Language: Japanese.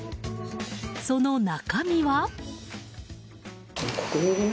その中身は。